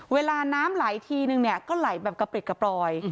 เวลาน้ำไหลทีนึงเนี่ยก็ไหลแบบกระปริกกระปลอย